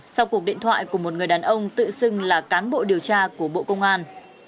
sau cuộc điện thoại của một người đàn ông tự xưng là cán bộ điều tra của bộ công an